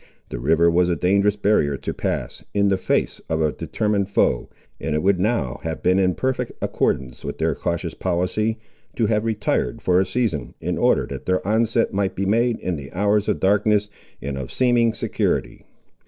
The river was a dangerous barrier to pass, in the face of a determined foe, and it would now have been in perfect accordance with their cautious policy, to have retired for a season, in order that their onset might be made in the hours of darkness, and of seeming security.